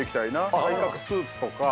体格スーツとか。